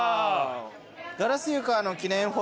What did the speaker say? ガラス床の記念フォト。